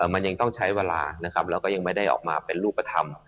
มันยังต้องใช้เวลานะครับแล้วก็ยังไม่ได้ออกมาเป็นรูปธรรม